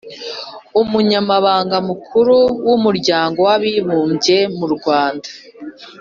umunyamabanga mukuru w'umuryango w'abibumbye mu rwanda